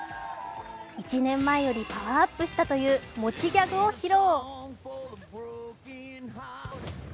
１年前よりパワーアップしたという持ちギャグを披露。